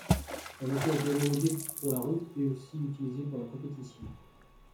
La voiture était homologuée pour la route et était aussi utilisée pour la compétition.